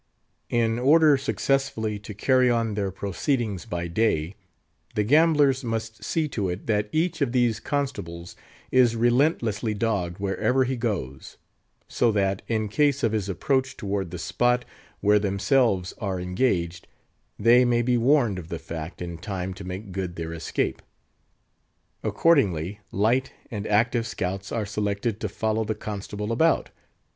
In order successfully to carry on their proceedings by day, the gamblers must see to it that each of these constables is relentlessly dogged wherever he goes; so that, in case of his approach toward the spot where themselves are engaged, they may be warned of the fact in time to make good their escape. Accordingly, light and active scouts are selected to follow the constable about.